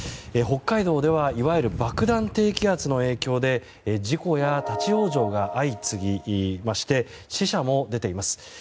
北海道ではいわゆる爆弾低気圧の影響で事故や立ち往生が相次ぎまして死者も出ています。